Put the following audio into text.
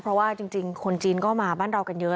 เพราะว่าจริงคนจีนก็มาบ้านเรากันเยอะ